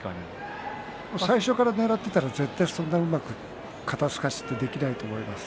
初めからねらっていったらそんなにうまく肩すかしはできないと思います。